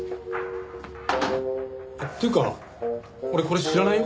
っていうか俺これ知らないよ。